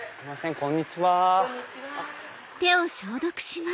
こんにちは。